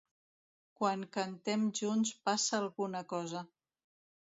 Quan cantem junts passa alguna cosa.